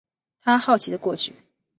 他好奇的过去